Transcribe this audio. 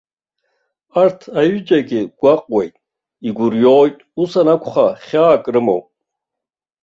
Арҭ аҩыџьагь гәаҟуеит, игәырҩоит, ус анакәха хьаак рымоуп.